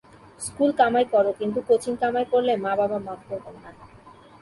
School কামাই করো, কিন্তু কোচিং কামাই করলে মা-বাবা মাফ করবেন না।